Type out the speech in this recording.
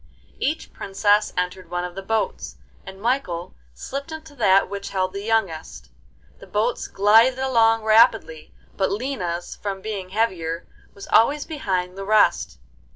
Each princess entered one of the boats, and Michael slipped into that which held the youngest. The boats glided along rapidly, but Lina's, from being heavier, was always behind the rest.